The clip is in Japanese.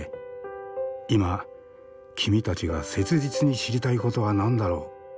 今君たちが切実に知りたいことは何だろう？